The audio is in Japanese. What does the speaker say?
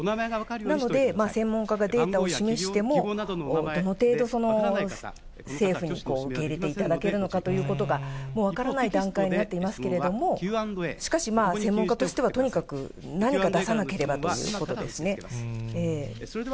なので専門家がデータを示しても、どの程度、政府に受け入れていただけるのかということが、もう分からない段階になっていますけれども、しかし、専門家としてはとにかく何か出さなければということですね。